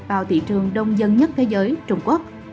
vào thị trường đông dân nhất thế giới trung quốc